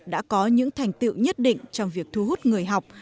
đã có những thành tựu nhất định trong việc thu hút người học